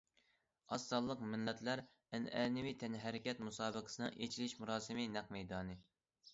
ئاز سانلىق مىللەتلەر ئەنئەنىۋى تەنھەرىكەت مۇسابىقىسىنىڭ ئېچىلىش مۇراسىمى نەق مەيدانى.